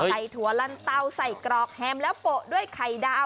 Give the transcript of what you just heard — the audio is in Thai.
ถั่วลันเตาใส่กรอกแฮมแล้วโปะด้วยไข่ดาว